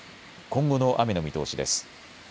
今後の雨の見通しです。